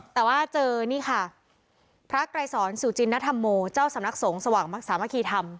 แต่ว่าเจอนี่ค่ะพระไกรสอนสุจินนธรรมโมเจ้าสำนักสงฆ์สว่างมักสามัคคีธรรม